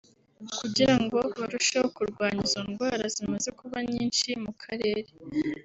kugira ngo barusheho kurwanya izo ndwara zimaze kuba nyinshi mu Karere